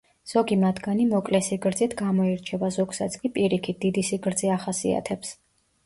ზოგი მათგანი მოკლე სიგრძით გამოირჩევა, ზოგსაც კი პირიქით, დიდი სიგრძე ახასიათებს.